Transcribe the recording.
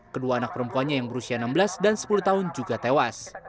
kedua anak perempuannya yang berusia enam belas dan sepuluh tahun juga tewas